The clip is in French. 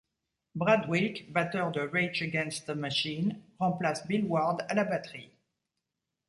Brad Wilk, batteur de Rage Against the Machine remplace Bill Ward à la batterie.